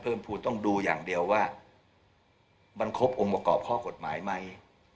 พี่กฎภัณฑ์พรุนต้องดูอย่างเดียวว่าบ้านครบอมกร่องข้อกฎหมายไหม